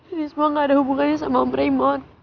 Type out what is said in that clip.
ini semua gak ada hubungannya sama om raymond